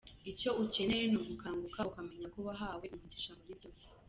Icyo ukeneye ni ugukanguka ukamenya ko wahawe umugisha muri byose.